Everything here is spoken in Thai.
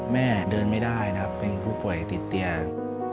แม่เดินไม่ได้นะครับเป็นผู้ป่วยติดเตียง